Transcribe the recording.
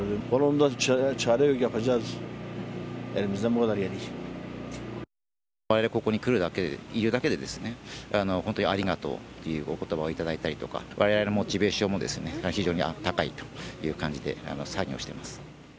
われわれがここに来るだけで、いるだけで本当にありがとうっていうおことばを頂いたりとか、われわれのモチベーションも非常に高いという感じで作業しています。